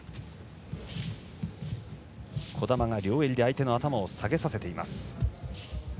児玉が両襟で相手の頭を下げさせています。